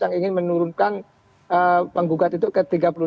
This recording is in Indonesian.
yang ingin menurunkan penggugat itu ke tiga puluh tujuh